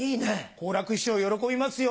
好楽師匠喜びますよ。